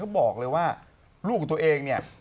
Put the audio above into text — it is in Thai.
เค้าบอกเลยว่าลูกตัวเองเนี่ย